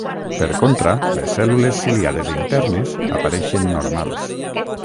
Per contra les cèl·lules ciliades internes apareixen normals.